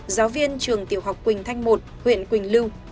giáo viên trường tiểu học quỳnh thanh một huyện quỳnh lưu